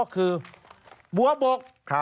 คือบัวบก